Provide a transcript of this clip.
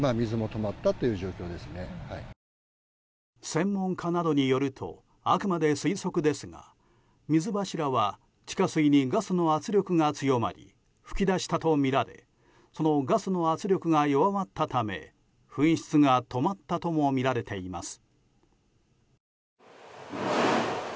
専門家などによるとあくまで推測ですが水柱は地下水にガスの圧力が強まり噴き出したとみられそのガスの圧力が弱まったため噴出が止まったともみられています。